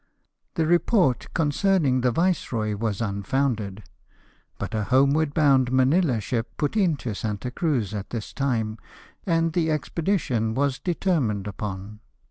The report concerning the viceroy was unfounded, but a homeward bound Manilla ship put into Santa Cruz at this time, and the expedition was determined upon.